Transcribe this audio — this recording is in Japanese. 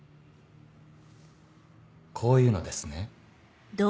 こういうのですね？